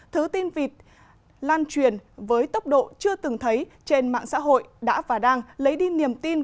thứ tin vịt lan truyền với tốc độ chưa từng thấy trên mạng xã hội đã và đang lấy đi niềm tin